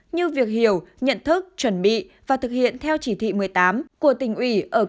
như việc hiểu nhận thức chuẩn bị và thực hiện theo chỉ thị một mươi tám của tỉnh ủy